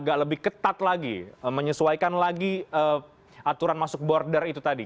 agak lebih ketat lagi menyesuaikan lagi aturan masuk border itu tadi